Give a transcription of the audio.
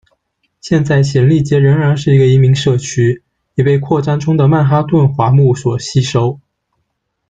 现在显利街仍然是一个移民社区，已被扩张中的曼哈顿华埠所吸收。